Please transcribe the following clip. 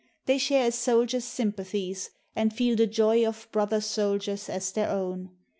They share a soldier's sympathies, and feel The joy of brother soldiers as their own.